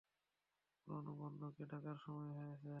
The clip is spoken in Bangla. পুরনো বন্ধুকে ডাকার সময় হয়েছে।